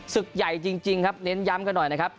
ศึกใหญ่จริงครับเน้นย้ำกันหน่อยนะครับ